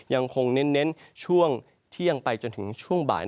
ยังคงเน้นช่วงเที่ยงไปจนถึงช่วงบ่าย